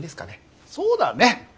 そうだね。